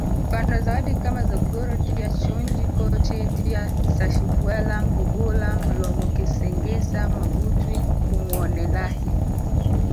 Mfano zawadi kama zogoro dya chunji koti dya sachibwela ngubula mlomokisingisa magutwi kumwonelahi